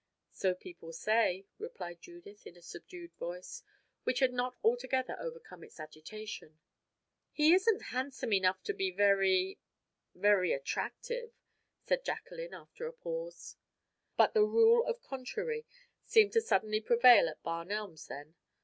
"So people say," replied Judith in a subdued voice, which had not altogether overcome its agitation. "He isn't handsome enough to be very very attractive," said Jacqueline after a pause. But the rule of contrary seemed to suddenly prevail at Barn Elms then.